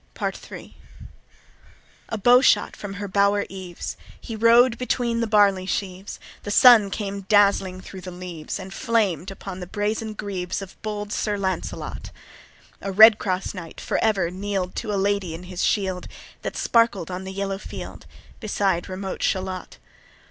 Part III. A bow shot from her bower eaves, He rode between the barley sheaves, The sun came dazzling thro' the leaves, And flamed upon the brazen greaves Of bold Sir Lancelot. A redcross knight for ever kneel'd To a lady in his shield, That sparkled on the yellow field, Beside remote Shalott.